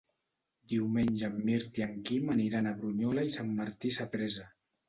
Diumenge en Mirt i en Quim aniran a Brunyola i Sant Martí Sapresa.